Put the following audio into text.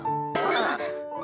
あっ。